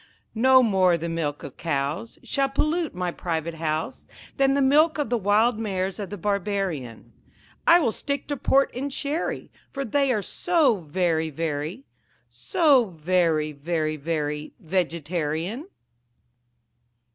No more the milk of cows Shall pollute my private house Than the milk of the wild mares of the Barbarian; I will stick to port and sherry, For they are so very, very, So very, very, very Vegetarian.